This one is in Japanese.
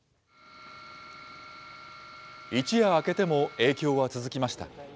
一夜明けても影響は続きました。